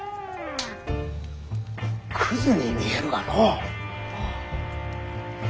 クズに見えるがのう。